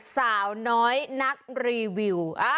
สาวน้อยนักรีวิว